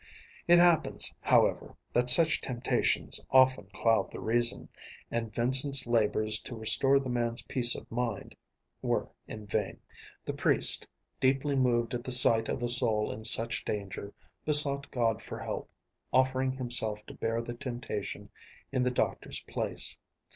It happens, however, that such temptations often cloud the reason, and Vincent's labors to restore the man's peace of mind were in vain. The priest, deeply moved at the sight of a soul in such danger, besought God for help, offering himself to bear the temptation in the doctor's place.